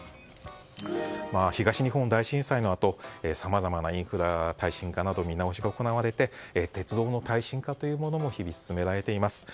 東日本大震災のあとさまざまなインフラの耐震化など見直しが行われて鉄道の耐震化も日々、進められています。